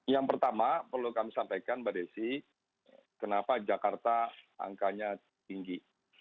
yang pertama perlu kami sampaikan mbak desi kenapa jakarta angkanya tinggi